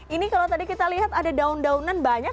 ini kalau tadi kita lihat ada daun daunan banyak